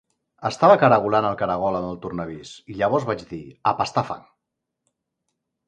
Estava caragolant el caragol amb el tornavís, i llavors vaig dir: "A pastar fang".